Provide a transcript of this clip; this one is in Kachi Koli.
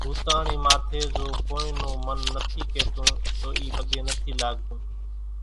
ھوتاۿڻي ماٿي زو ڪونئين نون من نٿي ڪيتون تو اِي پڳين نٿي لاڳتون